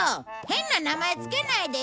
変な名前付けないでよ。